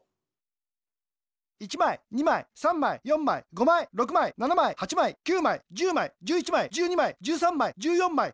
１まい２まい３まい４まい５まい６まい７まい８まい９まい１０まい１１まい１２まい１３まい１４まい。